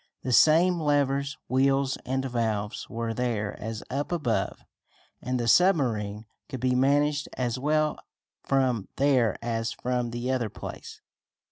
The same levers, wheels and valves were there as up above, and the submarine could be managed as well from there as from the other place.